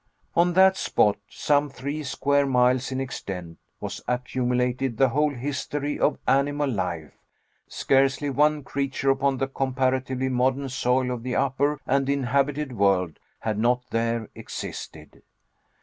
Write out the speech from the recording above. On that spot, some three square miles in extent, was accumulated the whole history of animal life scarcely one creature upon the comparatively modern soil of the upper and inhabited world had not there existed.